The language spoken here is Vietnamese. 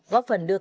góp phần đưa